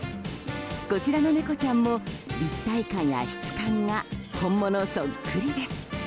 こちらの猫ちゃんも立体感や質感が本物そっくりです。